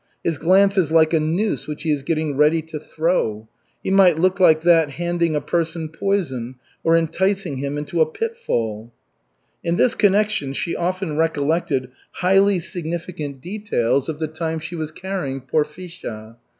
"His glance is like a noose which he is getting ready to throw. He might look like that handing a person poison or enticing him into a pitfall." In this connection she often recollected highly significant details of the time she was carrying Porfisha.